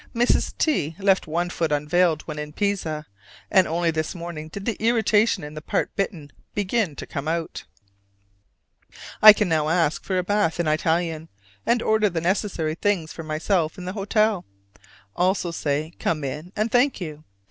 Mrs. T left one foot unveiled when in Pisa, and only this morning did the irritation in the part bitten begin to come out. I can now ask for a bath in Italian, and order the necessary things for myself in the hotel: also say "come in" and "thank you."